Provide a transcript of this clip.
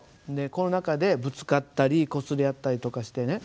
この中でぶつかったりこすれ合ったりとかしてね